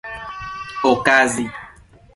okazi